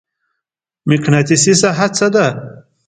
مقناطیسي ساحه څه ده؟